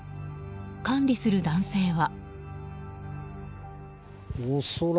管理する男性は。